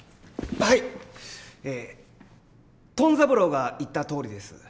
はい。えトン三郎が言ったとおりです。